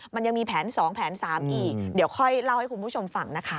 มันยังมีแผน๒แผน๓อีกเดี๋ยวค่อยเล่าให้คุณผู้ชมฟังนะคะ